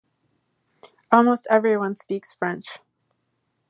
Almost everyone speaks French.